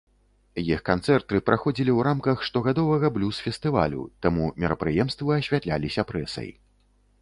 Іх канцэрты праходзілі ў рамках штогадовага блюз-фестывалю, таму мерапрыемствы асвятляліся прэсай.